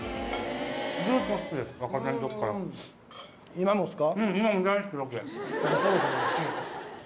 今もっすか？